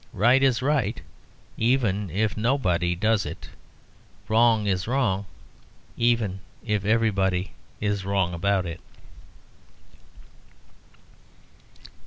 Right is right, even if nobody does it. Wrong is wrong, even if everybody is wrong about it.